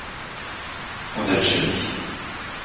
En Algérie.